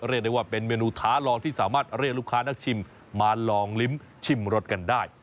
เรียกได้ว่าเป็นเมนูท้าลองที่สามารถเรียกลูกค้านักชิมมาลองลิ้มชิมรสกันได้